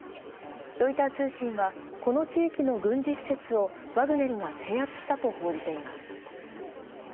ロイター通信は、この地域の軍事施設をワグネルが制圧したと報じています。